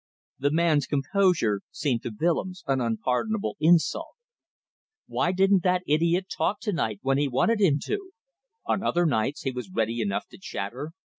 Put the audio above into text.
The man's composure seemed to Willems an unpardonable insult. Why didn't that idiot talk to night when he wanted him to? ... on other nights he was ready enough to chatter.